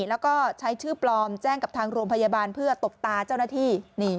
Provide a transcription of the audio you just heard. แล้วก็ใช้ชื่อปลอมแจ้งกับทางโรงพยาบาลเพื่อตบตาเจ้าหน้าที่